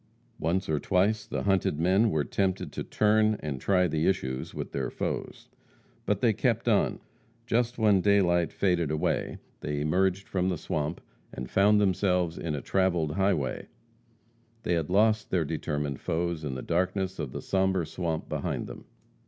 Once or twice the hunted men were tempted to turn and try the issues with their foes. But they kept on. Just when daylight faded away, they emerged from the swamp, and found themselves in a travelled highway. They had lost their determined foes in the darkness of the sombre swamp behind them.